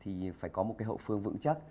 thì phải có một cái hậu phương vững chắc